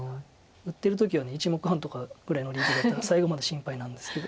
打ってる時は１目半とかぐらいのレベルだったら最後まで心配なんですけど。